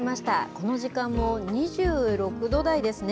この時間も２６度台ですね。